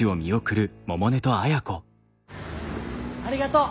ありがとう。